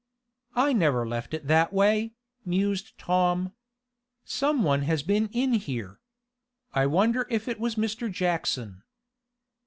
"I never left it that way," mused Tom. "Some one has been in here. I wonder if it was Mr. Jackson?"